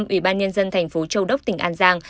ủy ban nhân dân tp châu đốc tỉnh an giang